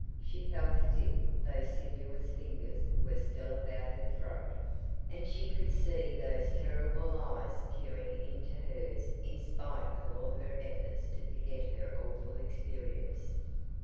She felt as if those sinuous fingers were still about her throat, and she could see those terrible eyes peering into hers in spite of all her efforts to forget her awful experience.